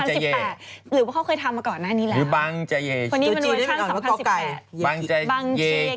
หรือว่าเขาเคยทำมาก่อนหน้านี้แล้วเพราะวันนี้มันโดยช่าง๒๐๑๘